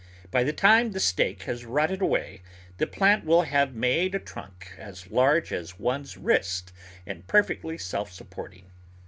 By the time the stake has rotted away the plant will have made a trunk as large as one's wrist and perfectly self supporting.